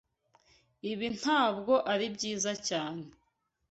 Ibi ntabwo ari byiza cyane.